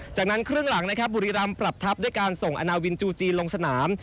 จากนั้นครึ่งหลังนะครับบุรีรำปรับทัพด้วยการส่งอนาวินจูจีนลงสนาม